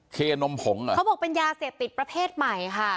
เขาบอกเป็นยาเสพติดประเภทใหม่ค่ะ